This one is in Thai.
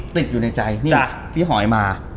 ติดอยู่ในใจนี่พี่หอยมา